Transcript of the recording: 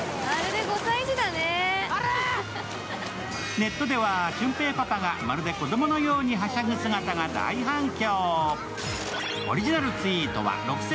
ネットでは俊平パパがまるで子供のようにはしゃぐ姿が大反響。